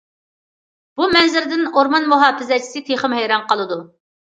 بۇ مەنزىرىدىن ئورمان مۇھاپىزەتچىسى تېخىمۇ ھەيران قالىدۇ.